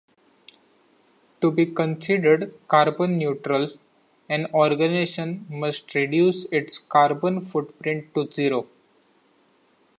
To be considered carbon neutral, an organization must reduce its carbon footprint to zero.